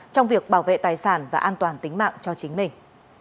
trong việc bảo vệ tài sản và an toàn tính mạng cho chính mình